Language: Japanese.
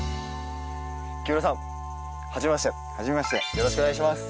よろしくお願いします。